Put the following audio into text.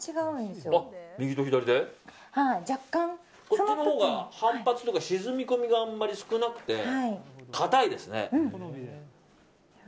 こっちのほうが反発とか沈み込みが少なくて硬いですね。